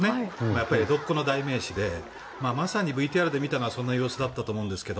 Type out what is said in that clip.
やっぱり江戸っ子の代名詞でまさにＶＴＲで見たのはそんな様子だったと思うんですが